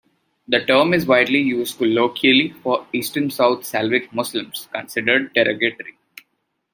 The term is widely used colloquially for Eastern South Slavic Muslims, considered derogatory.